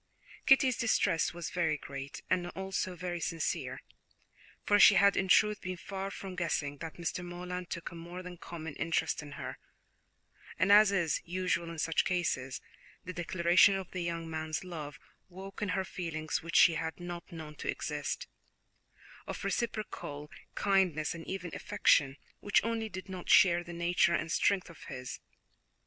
Kitty's distress was very great, and also very sincere, for she had in truth been far from guessing that Mr. Morland took a more than common interest in her, and as is usual in such cases, the declaration of the young man's love woke in her feelings which she had not known to exist, of reciprocal kindness and even affection, which only did not share the nature and strength of his.